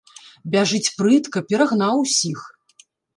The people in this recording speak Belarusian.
Бяжыць прытка, перагнаў усіх.